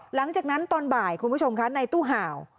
หลังจากนั้นตอนบ่ายคุณผู้ชมคะในตู้ห่าว